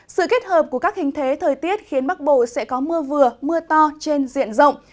sự kết hợp của các hình thế thời tiết khiến bắc bộ sẽ có mưa vừa mưa to trên diện rộng